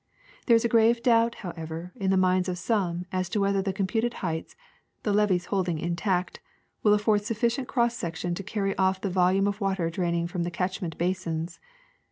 There is a grave doubt, however, in the minds of some as to whether the computed heights, the levees holding intact, will afford sufficient cross secti on to carry off the volume of water draining from the catchment basins.